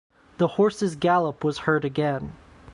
The horse’s gallop was heard again.